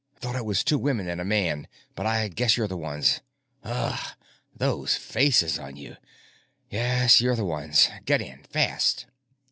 "Thought it was two women and a man, but I guess you're the ones. Ugh, those faces on you! Yes, you're the ones. Get in. Fast."